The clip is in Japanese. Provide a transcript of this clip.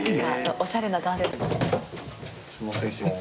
おじゃまします。